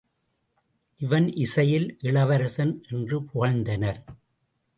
இவன் இசையில் இளவரசன் என்று புகழ்ந்தனர்.